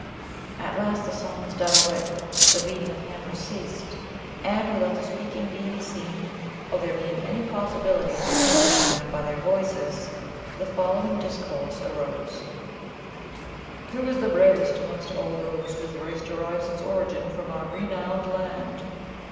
At last the songs died away, the beating of hammers ceased, and, without the speakers being seen, or there being any possibility of distinguishing them by their voices, the following discourse arose: "Who is the bravest amongst all those whose race derives its origin from our renowned land?"